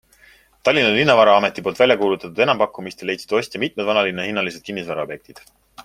Tallinna Linnavaraameti poolt välja kuulutatud enampakkumistel leidsid ostja mitmed vanalinna hinnaslised kinnisvaraobjektid.